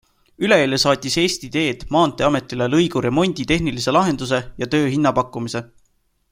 Üleeile saatis Eesti Teed maanteeametile lõigu remondi tehnilise lahenduse ja töö hinnapakkumise.